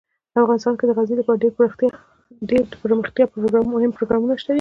افغانستان کې د غزني لپاره ډیر دپرمختیا مهم پروګرامونه شته دي.